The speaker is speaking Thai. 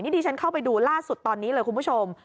ที่ฉันเข้าไปดูล่าสุดตอนนี้เลยคุณผู้ชม